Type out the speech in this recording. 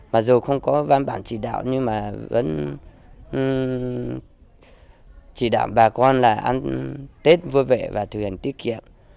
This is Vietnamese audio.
mặc dù không có văn bản chỉ đạo nhưng mà vẫn chỉ đạo bà con là ăn tết vui vẻ và thuyền tiết kiệm